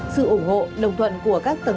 sự ủng hộ đồng thuận của các tầng đoàn